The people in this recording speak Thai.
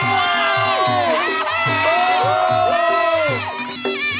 โหโห